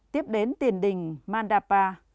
tiếp đến tiền đình mandapa